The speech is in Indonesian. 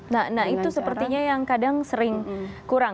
nah itu sepertinya yang kadang sering kurang